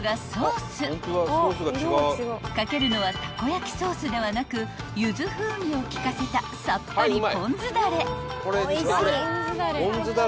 ［掛けるのはたこ焼ソースではなく柚子風味を利かせたさっぱりポン酢だれ］